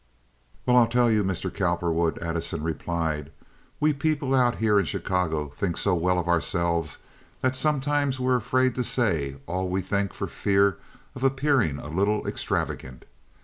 "Why, I'll tell you, Mr. Cowperwood," Addison replied. "We people out here in Chicago think so well of ourselves that sometimes we're afraid to say all we think for fear of appearing a little extravagant.